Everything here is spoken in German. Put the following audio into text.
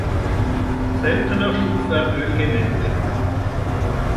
Seltener schuf er Ölgemälde.